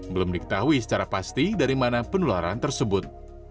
belum diketahui secara pasti dari mana penularan tersebut